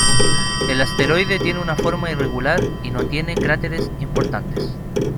El asteroide tiene una forma irregular y no tiene cráteres importantes.